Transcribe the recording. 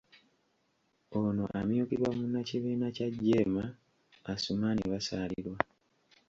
Ono amyukibwa munnakibiina kya JEEMA, Asuman Basalirwa.